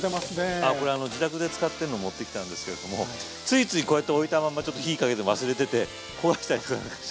あこれ自宅で使ってるのを持ってきたんですけれどもついついこうやって置いたままちょっと火かけて忘れてて焦がしちゃいました。